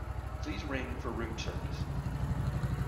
Please ring for room service